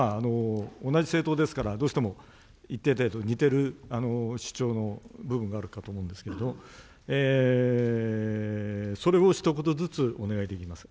同じ政党ですから、どうしても一定程度、似てる主張部分があるかと思うんですけれども、それをひと言ずつお願いできますか。